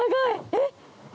えっ？